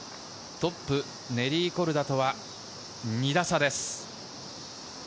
トップ、ネリー・コルダとは２打差です。